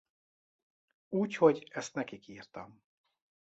Úgyhogy ezt nekik írtam.